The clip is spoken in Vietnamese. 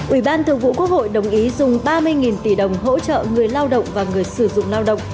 ủy ban thường vụ quốc hội đồng ý dùng ba mươi tỷ đồng hỗ trợ người lao động và người sử dụng lao động